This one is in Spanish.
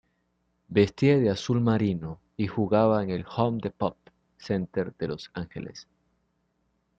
Vestía de azul marino, y jugaba en el Home Depot Center de Los Ángeles.